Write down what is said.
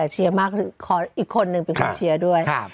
เชียร์มากขออีกคนนึงเป็นคนเชียร์ด้วย